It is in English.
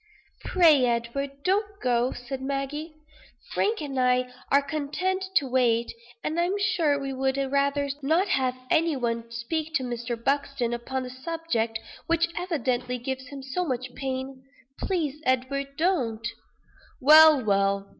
"Pray, Edward, don't go," said Maggie. "Frank and I are content to wait; and I'm sure we would rather not have any one speak to Mr. Buxton, upon a subject which evidently gives him so much pain; please, Edward, don't!" "Well, well.